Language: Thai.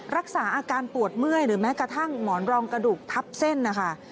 รักษาอาการปวดเมื่อยหรือแม้กระทั่งหมอนรองกระดูกทับเส้นนะคะ